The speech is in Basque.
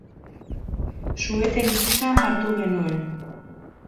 Su-eten gisa hartu genuen.